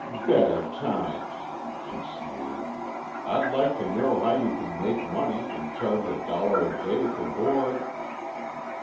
"Better times!" she sneered. "I'd like to know how you can make money an' charge a dollar a day for board."